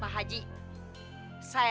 pak haji saya datang ke dia